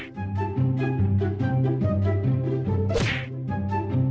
เวลาทิศมากขึ้นเพราะรักกันสินะครับ